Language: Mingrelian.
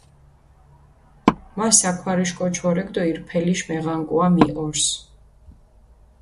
მა საქვარიშ კოჩი ვორექ დო ირფელიშ მეღანკუა მიჸორს.